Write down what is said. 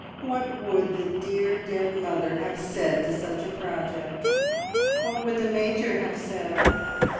What would the dear dead mother have said to such a project? What would the Major have said?